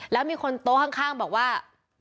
แล้วมีคนโต๊ะข้างบอกว่า